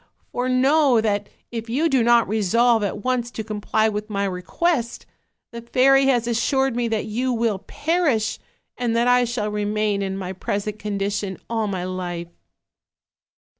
For know that if you do not resolve at once to comply with my request, the fairy has assured me that you will per ish; and that I shall remain in my present condition all my life.'